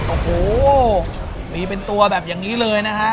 โอ้โหมีเป็นตัวแบบอย่างนี้เลยนะฮะ